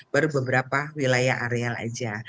baru beberapa wilayah areal aja